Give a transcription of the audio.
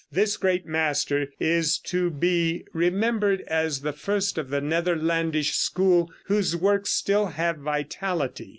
This great master is to be remembered as the first of the Netherlandish school whose works still have vitality.